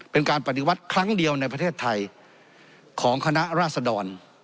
เป็นการปฏิวัติครั้งเดียวในประเทศไทยของคณะราษดร